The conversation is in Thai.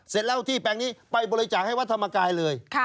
เสร็จแล้วที่แปลงนี้ไปบริจาคให้วัดธรรมกายเลย